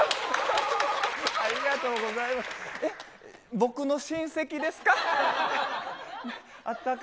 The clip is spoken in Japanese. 僕の親戚ですか？